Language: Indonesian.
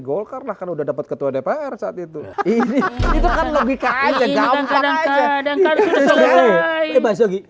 gol karena kan udah dapat ketua dpr saat itu ini itu kan lokalnya itu kan lokalnya itu kan lokalnya